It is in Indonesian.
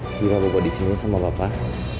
siva bawa disini sama bapak